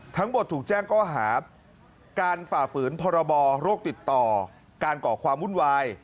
ทั้งหมดถูกแจ้งก้อหาการฝ่าฝืนพรบโรคติดต่อการก่อความวุ่นวาย